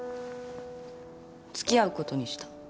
付き合うことにした。